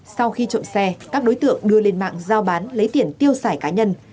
sau khi trộm xe các đối tượng đưa lên mạng giao bán lấy tiền tiêu xài cá nhân